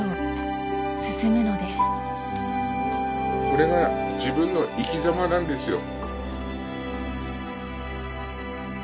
これが自分の生き様なんですよ。